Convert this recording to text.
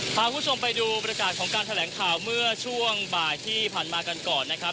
พาคุณผู้ชมไปดูบรรยากาศของการแถลงข่าวเมื่อช่วงบ่ายที่ผ่านมากันก่อนนะครับ